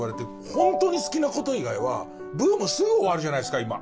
本当に好きな事以外はブームすぐ終わるじゃないですか今。